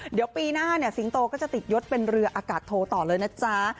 เดี๋ยวปีหน้าเนี่ยสิงโตก็จะติดยศเป็นเรืออากาศโทต่อเลยนะจ๊ะ